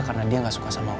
karena dia gak suka sama om